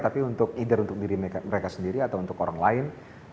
tapi untuk either untuk diri mereka sendiri atau untuk orang lain